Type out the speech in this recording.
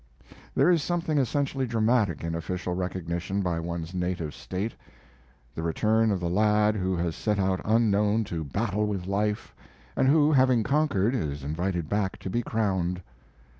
There is something essentially dramatic in official recognition by one's native State the return of the lad who has set out unknown to battle with life, and who, having conquered, is invited back to be crowned.